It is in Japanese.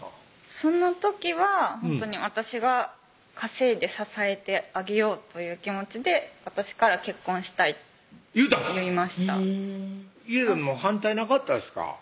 その時はほんとに私が稼いで支えてあげようという気持ちで私から「結婚したい」言うたん言いました家でも反対なかったですか？